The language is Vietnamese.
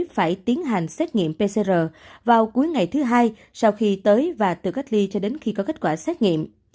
phải tiến hành xét nghiệm pcr vào cuối ngày thứ hai sau khi tới và tự cách ly cho đến khi có kết quả xét nghiệm